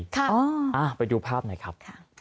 ไปดูภาพหน่อยครับ